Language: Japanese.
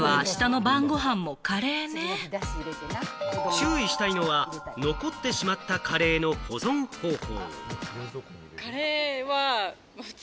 注意したいのは、残ってしまったカレーの保存方法。